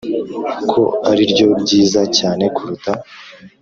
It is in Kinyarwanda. Ko ari ryo ryiza cyane kuruta